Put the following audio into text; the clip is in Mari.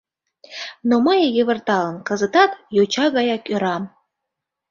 Но мые, йывырталын, кызытат йоча гаяк ӧрам.